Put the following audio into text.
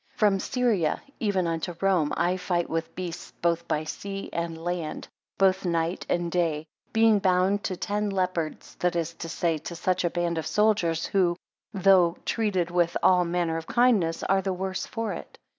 8 From Syria even unto Rome, I fight with beasts both by sea and land; both night and day: being bound to ten leopards, that is to say, to such a band of soldiers, who, though treated with all manner of kindness, are the worse for it.